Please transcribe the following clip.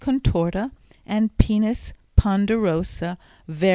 contorta and P. ponderosa, var.